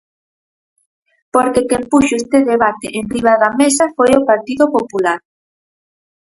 Porque quen puxo este debate enriba da mesa foi o Partido Popular.